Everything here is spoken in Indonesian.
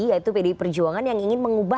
yaitu pdi perjuangan yang ingin mengubah